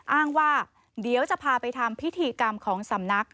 อ้างว่าเดี๋ยวจะพาไปทำพิธีกรรมของสำนัก